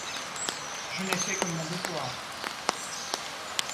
Je n’ai fait que mon devoir.